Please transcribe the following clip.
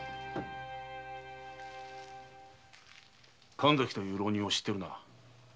〕神崎という浪人を知っているな。